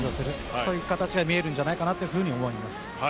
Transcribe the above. そういう形が見えるんじゃないかなと思います。